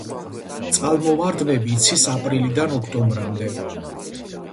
წყალმოვარდნები იცის აპრილიდან ოქტომბრამდე.